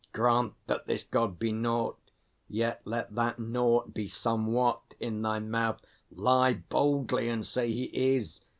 Grant that this God be naught, Yet let that Naught be Somewhat in thy mouth; Lie boldly, and say He Is!